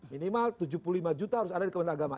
minimal tujuh puluh lima juta harus ada di kementerian agama